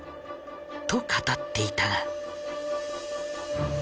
と語っていたが。